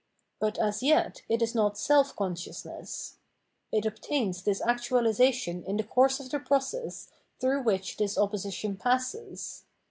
But as yet it is not self consciousness. It obtains this actuah sation ha the course of the process through which this opposition passes.